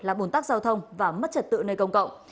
là bùn tắc giao thông và mất trật tự nơi công cộng